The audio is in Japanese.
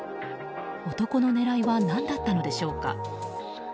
男の狙いは何だったのでしょうか。